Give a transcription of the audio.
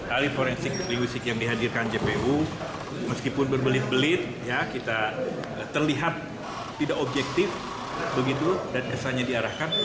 ahli forensik yang dihadirkan jpu meskipun berbelit belit kita terlihat tidak objektif begitu dan kesannya diarahkan